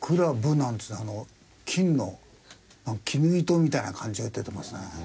なんつうのは金の絹糸みたいな感じが出てますね。